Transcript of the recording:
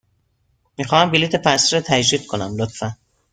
می خواهم بلیط فصلی را تجدید کنم، لطفاً.